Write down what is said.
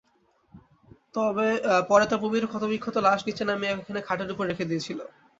পরে তাঁর পবিত্র ক্ষতবিক্ষত লাশ নিচে নামিয়ে এনে খাটের ওপর রেখে দিয়েছিল।